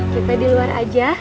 kita di luar aja